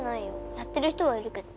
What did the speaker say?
やってる人はいるけど。